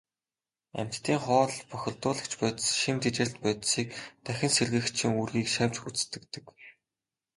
Амьтдын хоол, бохирдуулагч бодис, шим тэжээлт бодисыг дахин сэргээгчийн үүргийг шавж гүйцэтгэдэг.